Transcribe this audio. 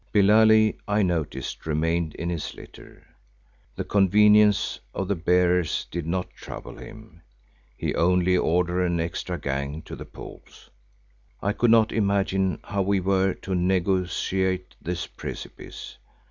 Billali, I noticed, remained in his litter. The convenience of the bearers did not trouble him; he only ordered an extra gang to the poles. I could not imagine how we were to negotiate this precipice.